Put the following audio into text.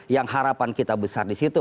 yang harapan kita besar di situ